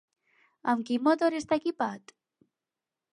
Amb quin motor està equipat?